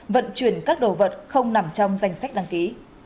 vận chuyển các đồ vật không nằm trong danh sách đăng ký